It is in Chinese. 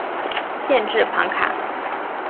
县治庞卡。